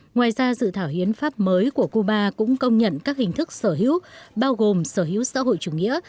ngoài ra dự thảo hiến pháp mới của cuba cũng công nhận các hình thức sở hữu bao gồm sở hữu xã hội chủ nghĩa